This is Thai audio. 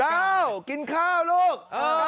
ข้าวกินข้าวลูก